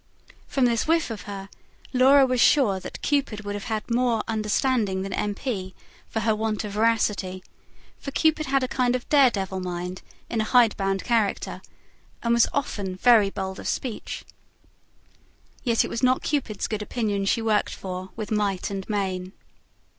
From this whiff of her, Laura was sure that Cupid would have had more understanding than M. P. for her want of veracity; for Cupid had a kind of a dare devil mind in a hidebound character, and was often very bold of speech. Yet it was not Cupid's good opinion she worked for, with might and main.